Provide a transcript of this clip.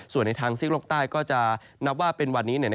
ส่วนในทางซีกโลกใต้ก็จะนับว่าเป็นวันนี้